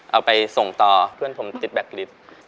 เอาไปส่งต่อเพื่อนผมติดแบ็คลิฟต์